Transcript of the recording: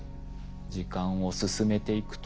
時間を進めていくと。